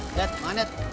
nih makan nek